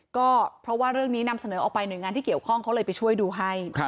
ก็เพราะว่าเรื่องนี้นำเสนอออกไปหน่วยงานที่เกี่ยวข้องเขาเลยไปช่วยดูให้